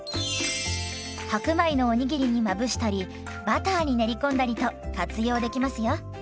白米のお握りにまぶしたりバターに練り込んだりと活用できますよ。